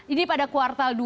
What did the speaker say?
ini pada kuartal dua